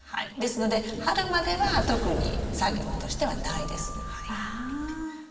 ですので春までは特に作業としてはないです。